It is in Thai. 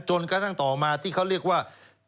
จนกระทั่งต่อมาที่เขาเรียกว่า